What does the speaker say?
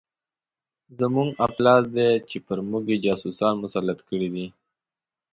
زموږ افلاس دی چې پر موږ یې جاسوسان مسلط کړي دي.